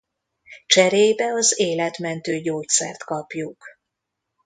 Cserébe az életmentő gyógyszert kapjuk.